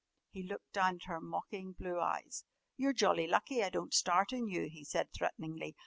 He looked down at her mocking blue eyes. "You're jolly lucky I don't start on you," he said threateningly.